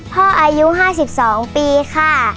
พ่ออายุ๕๒ปีค่ะ